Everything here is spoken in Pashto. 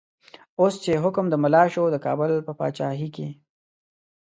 اوس چه حکم د ملا شو، دکابل په پاچایی کی